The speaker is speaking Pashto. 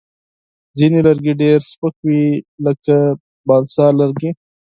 ځینې لرګي ډېر سپک وي، لکه بالسا لرګی.